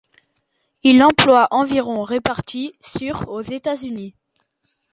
Il emploie environ réparties sur aux États-Unis.